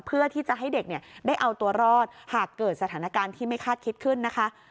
เพื่อที่จะให้เด็กเนี่ยได้เอาตัวรอดหากเกิดสถานการณ์ที่ไม่คาดคิดขึ้นนะคะ